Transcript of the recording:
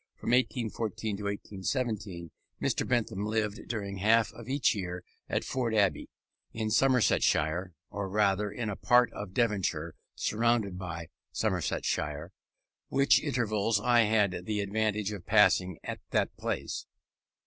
From 1814 to 1817 Mr. Bentham lived during half of each year at Ford Abbey, in Somersetshire (or rather in a part of Devonshire surrounded by Somersetshire), which intervals I had the advantage of passing at that place.